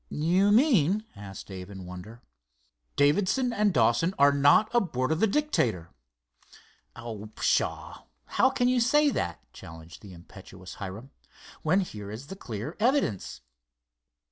"You mean?" asked Dave, in wonder. "Davidson and Dawson are not aboard of the Dictator." "Oh, pshaw, now how can you say that," challenged the impetuous Hiram, "when here is the clear evidence?"